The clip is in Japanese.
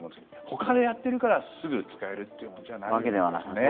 ほかでやってるからすぐ使えるものじゃないですね。